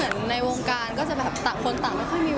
อเรนนี่ถ้าต้องเลือกใช่ไหม